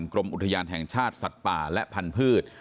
กรมอุทยานแห่งชาติสัตว์ป่าและพันธุ์